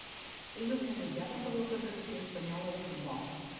És organitzada per la Federació Espanyola de Futbol.